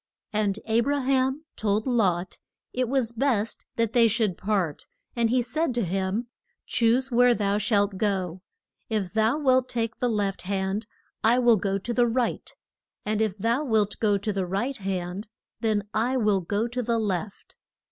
And A bra ham told Lot it was best that they should part; and he said to him, Choose where thou shalt go. If thou wilt take the left hand I will go to the right, and if thou wilt go to the right hand then I will go to the left.